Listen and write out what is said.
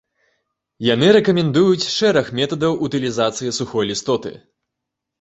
Яны рэкамендуюць шэраг метадаў утылізацыі сухой лістоты.